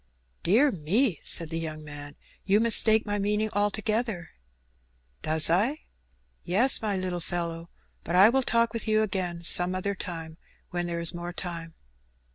"Dear me!" said the young man, "you mistake my meaning altogether." "Does I?" "Yes, my little fellow. But I will talk with you again some other time, when there is more time."